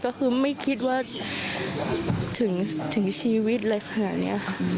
ก็คือไม่คิดว่าถึงชีวิตอะไรขนาดนี้ค่ะ